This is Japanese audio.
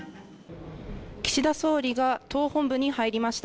岸田総理が党本部に入りました。